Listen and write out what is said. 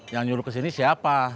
yang nyuruh kesini siapa